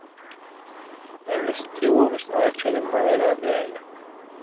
El estribo estaba hecho de madera de haya.